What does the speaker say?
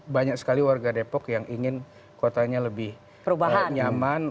banyak sekali warga depok yang ingin kotanya lebih nyaman